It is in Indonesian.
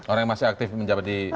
orang yang masih aktif menjabat di